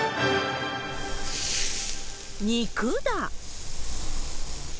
肉だ。